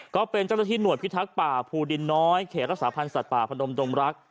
ก็เป็นเจ้าหน้าที่หน่วยพิทักษ์ป่าภูดินน้อยเขตรักษาพันธ์สัตว์ป่าพนมดงรัก